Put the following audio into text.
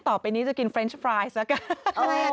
ต่อไปนี้จะกินเฟรนช์ไพรส์แล้วกัน